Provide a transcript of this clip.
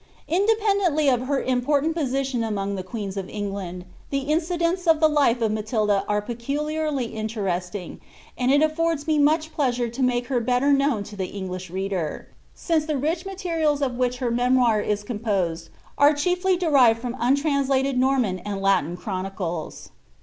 Inde. pendenlly of her Important position among the queens of England, the Incidents of the life ofMalilda are peculiarly interesting, and it nlForda me much pleasure to make her better known to the English reader, since Ihe rich materials of which her memoir is composed are chiefly OeriredAvat untranslated Norman and Latin chronicles.